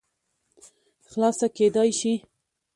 خلاصه کېداى شي